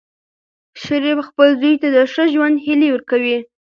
شریف خپل زوی ته د ښه ژوند هیلې ورکوي.